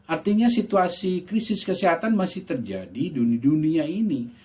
artinya situasi krisis kesehatan masih terjadi di dunia ini